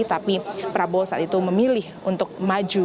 tapi prabowo saat itu memilih untuk maju